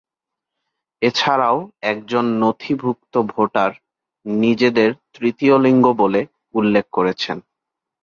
এছাড়াও একজন নথিভূক্ত ভোটার নিজেদের তৃতীয় লিঙ্গ বলে উল্লেখ করেছেন।